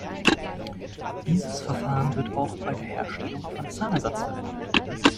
Dieses Verfahren wird auch bei der Herstellung von Zahnersatz verwendet.